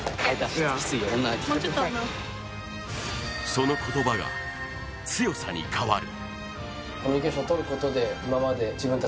その言葉が、強さに変わる。